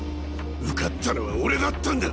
受かったのは俺だったんだ！